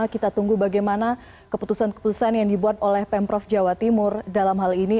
kita tunggu bagaimana keputusan keputusan yang dibuat oleh pemprov jawa timur dalam hal ini